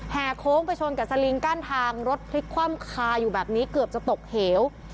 โค้งไปชนกับสลิงกั้นทางรถพลิกคว่ำคาอยู่แบบนี้เกือบจะตกเหว